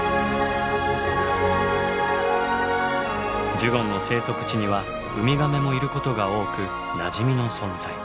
ジュゴンの生息地にはウミガメもいることが多くなじみの存在。